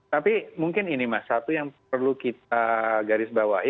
tapi mungkin ini mas satu yang perlu kita garisbawahi